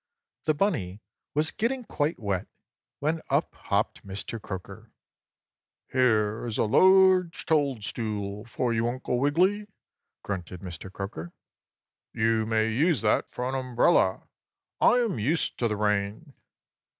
The bunny was getting quite wet when up hopped Mr. Croaker. "Here is a large toadstool for you, Uncle Wiggily," grunted Mr. Croaker. "You may use that for an umbrella. I am used to the rain."